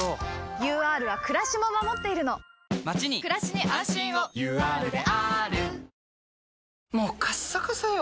ＵＲはくらしも守っているのまちにくらしに安心をＵＲであーるもうカッサカサよ